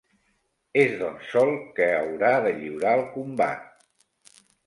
És doncs sol que haurà de lliurar el combat.